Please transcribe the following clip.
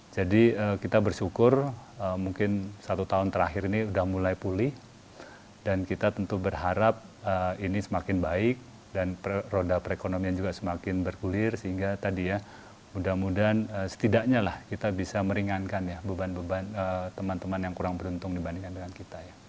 jadi kita bersyukur mungkin satu tahun terakhir ini sudah mulai pulih dan kita tentu berharap ini semakin baik dan roda perekonomian juga semakin berkulir sehingga tadi ya mudah mudahan setidaknya lah kita bisa meringankan ya beban beban teman teman yang kurang beruntung dibandingkan dengan kita ya